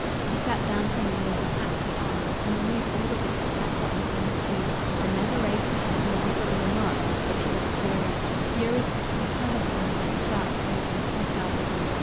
She sat down primly, and detached the armlet, and removed all the bits of black cotton from the sleeve, and never raised her head nor offered a remark, but she was furious furious to protect her husband against sharks and against himself.